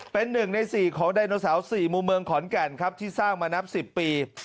เป็นหนึ่งในสี่ของไดนโตซัลสี่มุมเมืองขอนแก่ครับที่สร้างมานับสิบปี